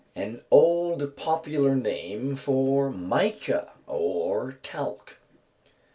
_ An old popular name for mica or talc.